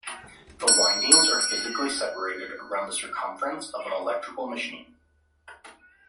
The windings are physically separated around the circumference of an electrical machine.